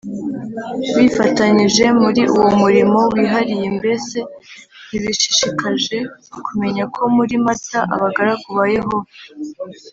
Bifatanyije muri uwo murimo wihariye mbese ntibishishikaje kumenya ko muri mata abagaragu ba yehova